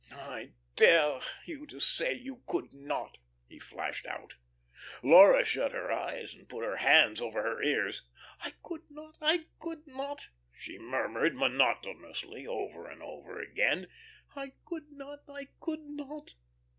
"I dare you to say you could not," he flashed out Laura shut her eyes and put her hands over her ears. "I could not, I could not," she murmured, monotonously, over and over again. "I could not, I could not."